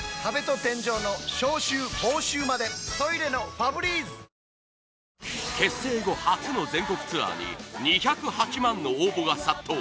「カップヌードル」最高！結成後初の全国ツアーに２０８万の応募が殺到！